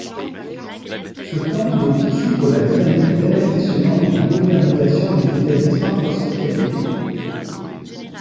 Ce plan veut poursuivre la dynamique d'investissement et de modernisation des établissements hospitaliers.